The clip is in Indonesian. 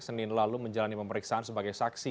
senin lalu menjalani pemeriksaan sebagai saksi